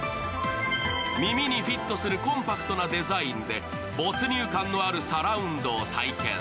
耳にフッとするコンパクトなデザインで没入感のあるサラウンドを体験。